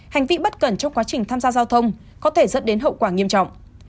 hành vi bất cẩn trong quá trình tham gia giao thông có thể dẫn đến hậu quả nghiêm trọng